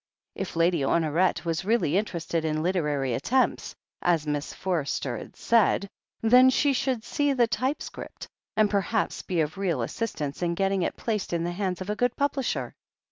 If Lady Honoret was really interested in literary attempts, as Miss Forster had said, then she should see the typescript, and perhaps be of real assist ance in getting it placed in the hands of a good publisher.